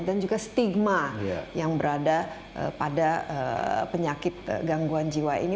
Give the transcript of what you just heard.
dan juga stigma yang berada pada penyakit gangguan jiwa ini